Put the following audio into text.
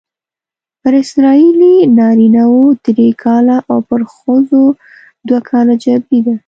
پر اسرائیلي نارینه وو درې کاله او پر ښځو دوه کاله جبری ده.